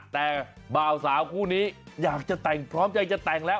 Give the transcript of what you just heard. แต่บ่าวสาวคู่นี้อยากจะแต่งพร้อมใจจะแต่งแล้ว